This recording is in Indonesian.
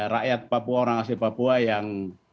rakyat papua orang asli papua yang